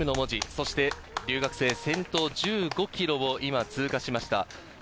そして留学生、先頭１５ｋｍを通過しました。